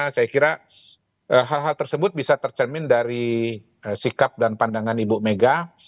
saya kira hal hal tersebut bisa tercermin dari sikap dan pandangan ibu mega